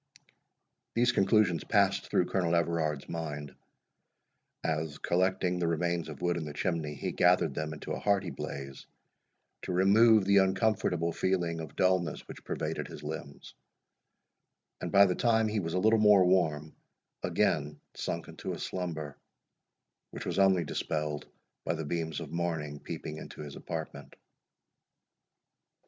These conclusions passed through Colonel Everard's mind, as, collecting the remains of wood in the chimney, he gathered them into a hearty blaze, to remove the uncomfortable feeling of dullness which pervaded his limbs; and by the time he was a little more warm, again sunk into a slumber, which was only dispelled by the beams of morning peeping into his apartment.